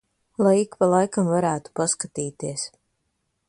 Lai ik pa laikam varētu paskatīties.